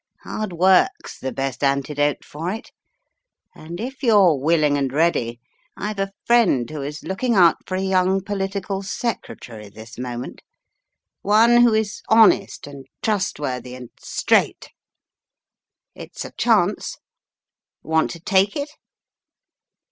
Hard work's the best antidote for it, and if you're willing and ready, I've a friend who is looking out for a young political secretary this moment — one who is honest and trustworthy and straight. It's a chance. Want to take it?"